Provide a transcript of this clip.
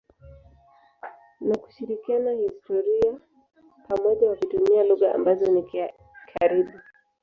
na kushirikiana historia ya pamoja wakitumia lugha ambazo ni karibu.